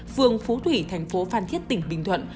phường phú thủy thành phố phan thiết tỉnh bình thuận